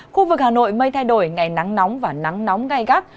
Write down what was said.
khu vực hà nội mây thay đổi ngày nắng nóng và nắng nóng gai gắt